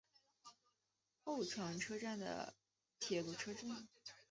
厚床车站的铁路车站。